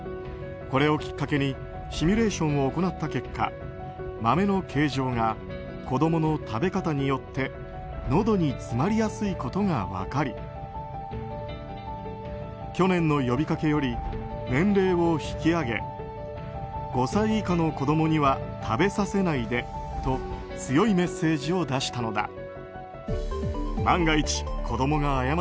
これをきっかけにシミュレーションを行った結果豆の形状が子供の食べ方によってのどに詰まりやすいことが分かり去年の呼びかけより年齢を引き上げ５歳以下の子供には食べさせないでと強いメッセージを出したのだ。